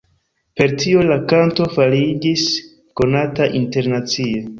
Per tio la kanto fariĝis konata internacie.